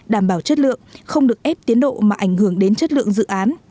đảm bảo chất lượng không được ép tiến độ mà ảnh hưởng đến chất lượng dự án